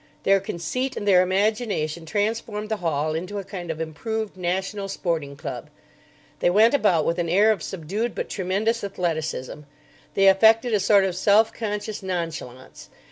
Their conceit and their imagination transformed the hall into a kind of improved National Sporting Club. They went about with an air of subdued but tremendous athleticism. They affected a sort of self conscious nonchalance.